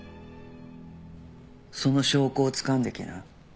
その証拠をつかんできな。